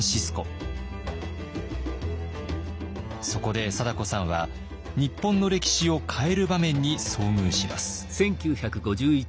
そこで貞子さんは日本の歴史を変える場面に遭遇します。